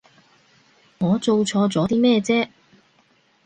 我做錯咗啲咩啫？